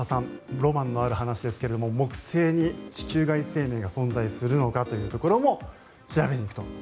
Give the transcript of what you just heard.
ロマンのある話ですけれども木星に地球外生命が存在するのかというところも調べに行くと。